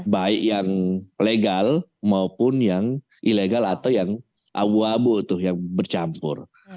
baik yang legal maupun yang ilegal atau yang abu abu yang bercampur